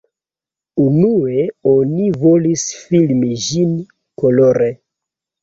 Unue oni volis filmi ĝin kolore.